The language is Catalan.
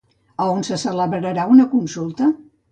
A on se celebrà una consulta?